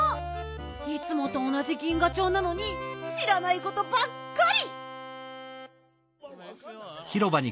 いつもとおなじ銀河町なのにしらないことばっかり！